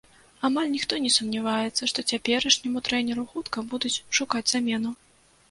Амаль ніхто не сумняваецца, што цяперашняму трэнеру хутка будуць шукаць замену.